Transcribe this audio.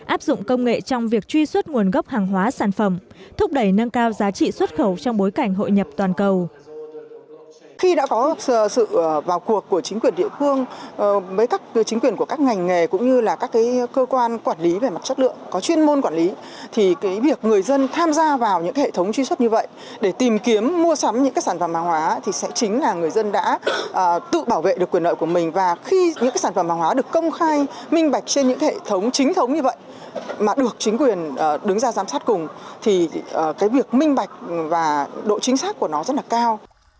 áp dụng công nghệ trong việc truy xuất nguồn gốc hàng hóa sản phẩm thúc đẩy nâng cao giá trị xuất khẩu trong bối cảnh hội nhập toàn cầu